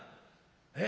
「えっ？